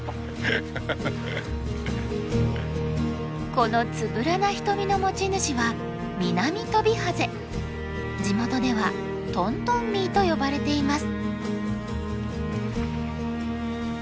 このつぶらな瞳の持ち主は地元ではトントンミーと呼ばれています。